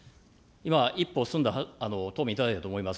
今、一歩進んだ答弁いただいたと思います。